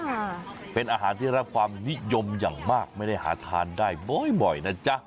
ค่ะเป็นอาหารที่รับความนิยมอย่างมากไม่ได้หาทานได้บ่อยบ่อยนะจ๊ะ